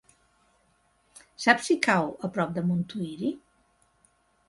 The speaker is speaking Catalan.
Saps si cau a prop de Montuïri?